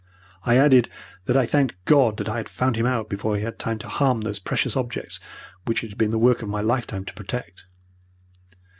I added that I thanked God that I had found him out before he had time to harm those precious objects which it had been the work of my life time to protect.